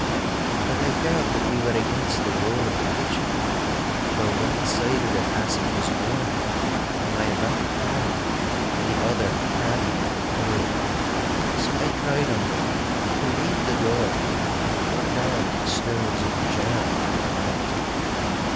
But I felt that we were against the wall of the kitchen, for one side of the passage was warm, on my right hand, and the other clammy and cold. So I cried on them, to leave the door and pull down the stones of the jamb on my right.